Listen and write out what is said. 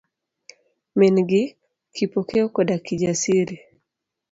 Min gi, Kipokeo koda Kijasiri.